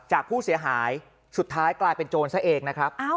จากผู้เสียหายสุดท้ายกลายเป็นโจรซะเองนะครับ